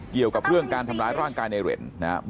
เกี่ยวกับเรื่องการทำร้ายร่างกายในเหรนนะครับ